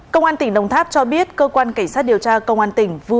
công an tỉnh đồng tháp cho biết cơ quan cảnh sát điều tra công an tỉnh